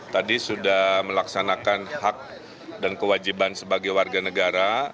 tadi sudah melaksanakan hak dan kewajiban sebagai warga negara